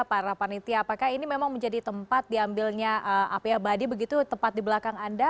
para panitia apakah ini memang menjadi tempat diambilnya api abadi begitu tepat di belakang anda